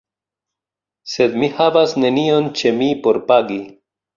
Sed mi havas nenion ĉe mi por pagi.